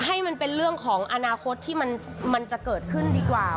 ให้มันเป็นเรื่องของอนาคตที่มันจะเกิดขึ้นดีกว่า